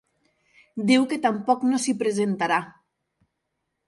Diu que tampoc no s’hi presentarà.